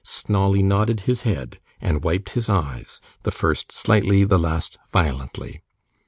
Snawley nodded his head, and wiped his eyes; the first slightly, the last violently.